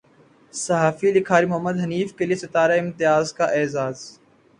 صحافی لکھاری محمد حنیف کے لیے ستارہ امتیاز کا اعزاز